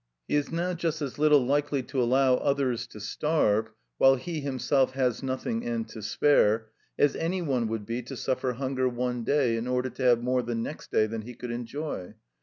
(81) He is now just as little likely to allow others to starve, while he himself has enough and to spare, as any one would be to suffer hunger one day in order to have more the next day than he could enjoy.